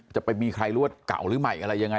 จะไปมีใครหรือว่าเก่าหรือใหม่อะไรยังไง